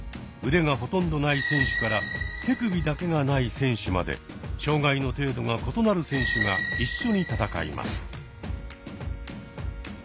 腕がほとんどない選手から手首だけがない選手まで障害の程度が異なる選手が一緒に戦います。